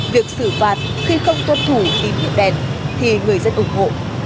việc xử phạt khi không tuân thủ tín hiệu đèn thì người dân ủng hộ